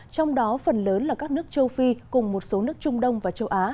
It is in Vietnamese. trong đó phần lớn là các nước châu phi cùng một số nước trung đông và châu á